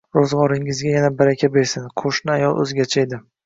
Roʻzgʻoringizga yana baraka bersin. Qoʻshni ayol oʻzgacha edi.